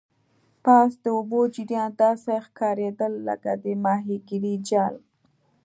پاس د اوبو جریان داسې ښکاریدل لکه د ماهیګرۍ جال.